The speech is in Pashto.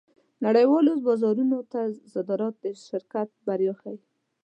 نړۍوالو بازارونو ته صادرات د شرکت بریا ښيي.